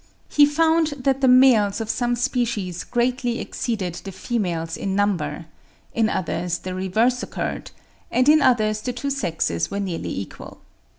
He found that the males of some species greatly exceeded the females in number; in others the reverse occurred; and in others the two sexes were nearly equal.